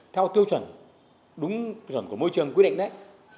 theo tiêu chuẩn đúng tiêu chuẩn của môi trường quy định đấy